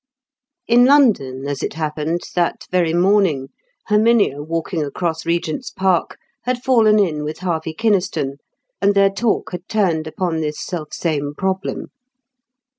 In London, as it happened, that very morning, Herminia, walking across Regent's Park, had fallen in with Harvey Kynaston, and their talk had turned upon this self same problem.